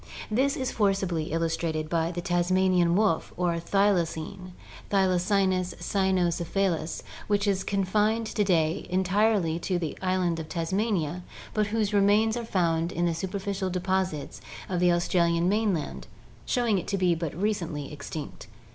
This is forcibly illustrated by the Tasmanian wolf or thylacine (Thylacynus cynocephalus) which is confined to day entirely to the island of Tasmania but whose remains are found in the superficial deposits of the Australian mainland, showing it to be but recently extinct.